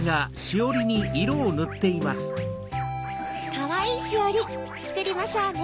かわいいしおりつくりましょうね。